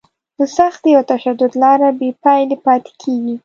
د سختي او تشدد لاره بې پایلې پاتې کېږي.